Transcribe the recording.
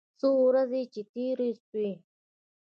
څو ورځې چې تېرې سوې.